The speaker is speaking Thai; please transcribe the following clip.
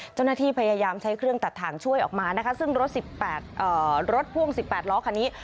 เจ้าหน้าที่พยายามใช้เครื่องตัดถ่างช่วยออกมานะคะซึ่งรถ๑๘รถพ่วง๑๘ล้อคันนี้